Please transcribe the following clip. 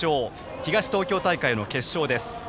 東東京大会の決勝です。